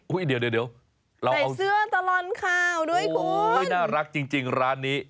อุ๊ยใส่เสื้อตลอนข่าวด้วยคุณโอ้โหน่ารักจริงร้านนี้